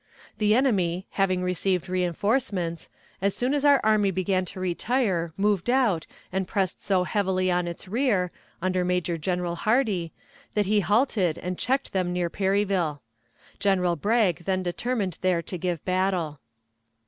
The enemy, having received reënforcements, as soon as our army began to retire, moved out and pressed so heavily on its rear, under Major General Hardee, that he halted and checked them near Perryville. General Bragg then determined there to give battle.